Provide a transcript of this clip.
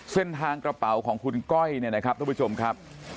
เส้นทางกระเป๋าของคุณก้อยนะครับทุกผู้ชมครับ